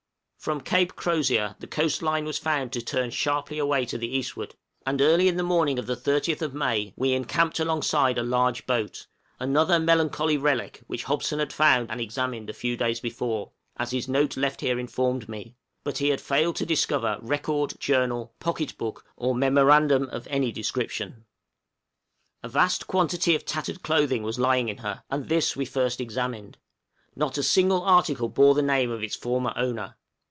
} From Cape Crozier the coast line was found to turn sharply away to the eastward; and early in the morning of the 30th May we encamped alongside a large boat another melancholy relic which Hobson had found and examined a few days before, as his note left here informed me; but he had failed to discover record, journal, pocket book, or memorandum of any description. A vast quantity of tattered clothing was lying in her, and this we first examined. Not a single article bore the name of its former owner.